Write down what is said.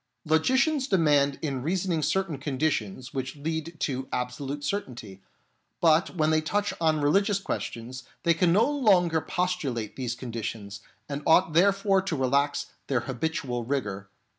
Logicians demand in reasoning certain conditions which lead to absolute certainty, but when they touch on religious questions, they can no longer postulate these conditions, and ought therefore to relax their habitual rigour.